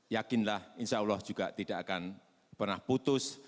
yakinlah insya allah juga tidak akan pernah putus